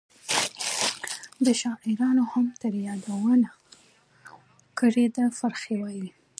شاعرانو هم ترې یادونه کړې ده. فرخي وایي: